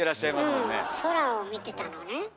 うん空を見てたのね。